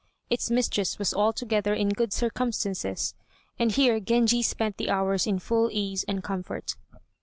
Its mistress was altogether in good circumstances, and here Genji spent the hours in full ease and comfort.